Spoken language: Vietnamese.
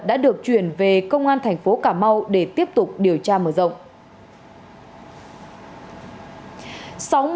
đã được chuyển về công an thành phố cà mau để tiếp tục điều tra mở rộng